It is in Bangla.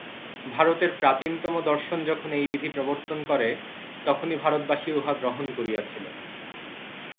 ভারতের প্রাচীনতম দর্শন যখন এই বিধি প্রবর্তন করে, তখনই ভারতবাসী উহা গ্রহণ করিয়াছিল।